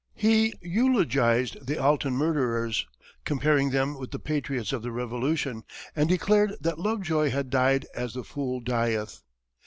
He eulogized the Alton murderers, comparing them with the patriots of the Revolution, and declared that Lovejoy had "died as the fool dieth."